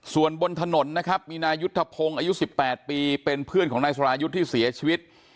ส่วนบนถนนนะครับมีนายุทธพงศ์อายุ๑๘ปีเป็นเพื่อนของนายสรายุทธ์ที่เสียชีวิต